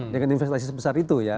dengan investasi sebesar itu ya